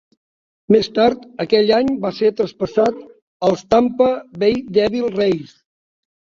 Més tard aquell any va ser traspassat als Tampa Bay Devil Rays.